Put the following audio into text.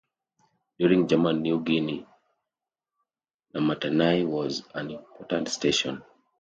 During German New Guinea, Namatanai was an important station.